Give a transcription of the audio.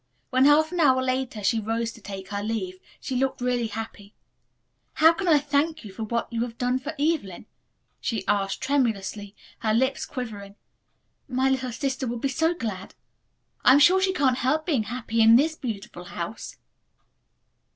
When half an hour later she rose to take her leave, she looked really happy. "How can I thank you for what you have done for Evelyn?" she asked tremulously, her lips quivering. "My little sister will be so glad. I am sure she can't help being happy in this beautiful house."